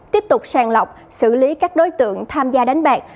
tiếp tục sàng lọc xử lý các đối tượng tham gia đánh bạc